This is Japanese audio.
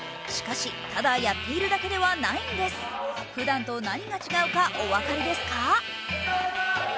しかし、ただやっているだけではないんです。ふだんと何が違うかお分かりですか？